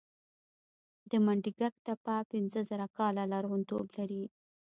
د منډیګک تپه پنځه زره کاله لرغونتوب لري